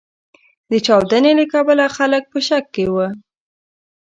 د چاودنې له کبله خلګ په شک کې و.